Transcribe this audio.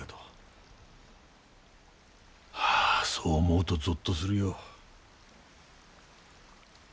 はあそう思うとぞっとするよ。